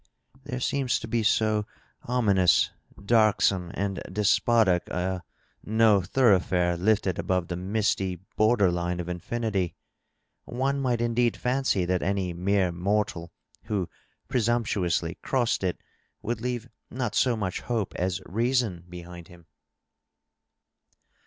There seems to be so ominous, darksome and despotic a ' no thoroughfare' lift; ed above the misty border line of infinity! One might indeed fancy that any mere mortal who pre sumptuously crossed it would leave not so much hope as reason behind him!"